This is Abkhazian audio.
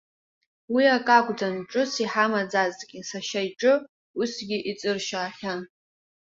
Уи ак акәӡан ҽыс иҳамаӡазгьы, сашьа иҽы усгьы иҵыршьаахьан.